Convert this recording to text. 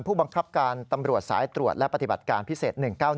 ผู้บังคับการตำรวจสายตรวจและปฏิบัติการพิเศษ๑๙๑